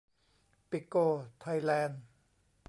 ปิโก ไทยแลนด์